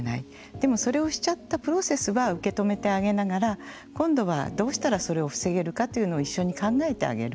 でも、それをしちゃったプロセスは受け止めてあげながら今度はどうしたらそれを防げるかを一緒に考えてあげる。